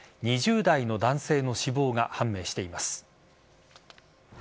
２０代の男性の死亡が判明しています。